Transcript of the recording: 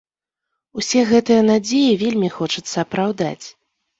Усе гэтыя надзеі вельмі хочацца апраўдаць.